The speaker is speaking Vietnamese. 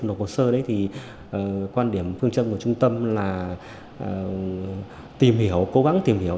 nộp hồ sơ quan điểm phương châm của trung tâm là cố gắng tìm hiểu